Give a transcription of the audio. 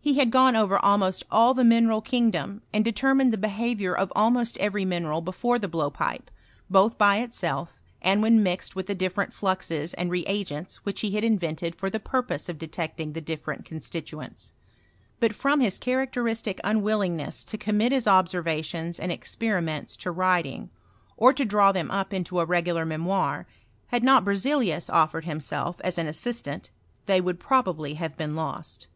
He had gone over almost all the mineral kingdom, and detennined the behaviour of almost every mineral before the blowpipe, both by itself and when mixed Willi the different fluxes and reagents which he had invented for the parpose of detecting the drfierent constituents ; but. from hi* characteristic nnwtlltng' ness to commit his observationB and experiments to writing, or to draw thera up into a regular memoir, had not Berxebus offered himself as an assistant, tbey would probably have been lost.